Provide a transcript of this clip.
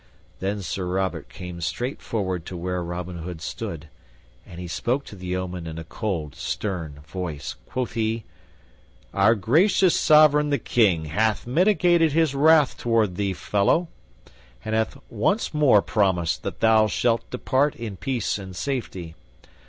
Then Sir Robert came straight forward to where Robin Hood stood, and he spoke to the yeoman in a cold, stern voice. Quoth he, "Our gracious Sovereign the King hath mitigated his wrath toward thee, fellow, and hath once more promised that thou shalt depart in peace and safety.